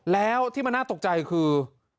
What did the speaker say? แล้วที่มันน่าตกใจคือ